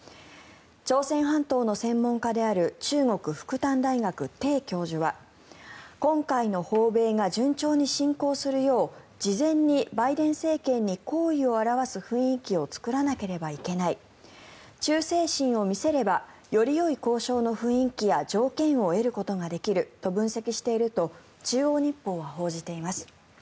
朝鮮半島の専門家である中国・復旦大学、テイ教授は今回の訪米が順調に進行するよう事前にバイデン政権に好意を表す雰囲気を作らなければならない忠誠心を見せればよりよい交渉の雰囲気や条件を得ることができると中央日報は報じています。